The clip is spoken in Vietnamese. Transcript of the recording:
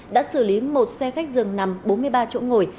đã xử lý một xe khách dường nằm bốn mươi ba chỗ ngồi